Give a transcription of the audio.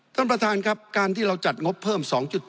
ท่านประธานครับการที่เราจัดงบเพิ่ม๒๗